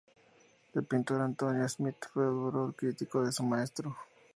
El pintor Antonio Smith fue un duro crítico de su maestro.